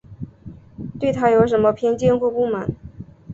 对她有什么偏见或不满